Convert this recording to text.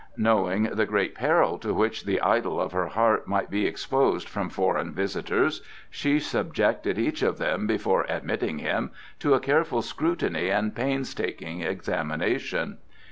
Knowing the great peril to which the idol of her heart might be exposed from foreign visitors, she subjected each of them, before admitting him, to a careful scrutiny and painstaking examination.